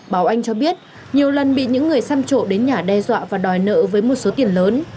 báo anh cho biết nhiều lần bị những người xăm trộm đến nhà đe dọa và đòi nợ với một số tiền lớn